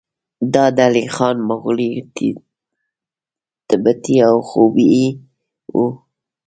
دا ډلې خان، مغولي، تبتي او خویي وو.